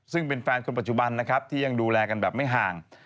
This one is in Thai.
ซึ่งเป็นแฟนคนปัจจุบันนะครับที่ยังดูแลกันแบบไม่ห่าง